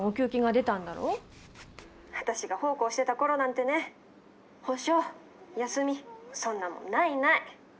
「私が奉公してた頃なんてね補償休みそんなもんないない」。